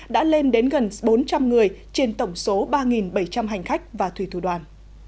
đã lên đến gần bốn trăm linh người trên tổng số ba bảy trăm linh hành khách và thủy thủ đoàn